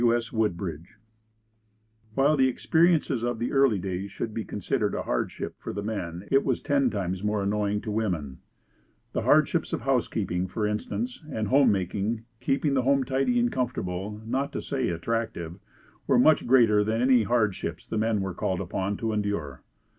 W. S. Woodbridge. While the experiences of the early days could be considered a hardship for the men it was ten times more annoying to women. The hardships of housekeeping, for instance and home making, keeping the home tidy and comfortable, not to say attractive, were much greater than any hardships the men were called upon to endure.